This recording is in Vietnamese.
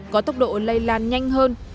có tốc độ lây lan nhanh hơn